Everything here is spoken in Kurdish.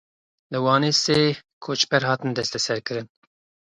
Li Wanê sih koçber hatin desteserkirin.